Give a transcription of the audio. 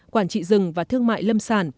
quản trị rừng và thương mại lâm sản